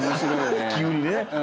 急にね。